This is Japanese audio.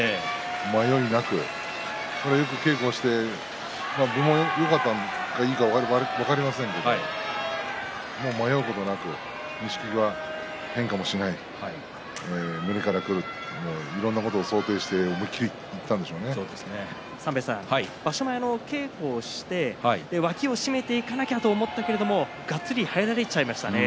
迷いなく、よく稽古して分もよかったのかどうか分かりませんが迷うことなく錦木は変化もしない右からくるいろんなことを想定して場所前の稽古をして脇を締めていかなきゃと思ったけれどもがっつり入れられちゃいましたね。